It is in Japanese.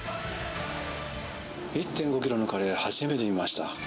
１．５キロのカレー、初めて見ました。